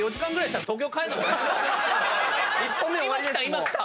今来た。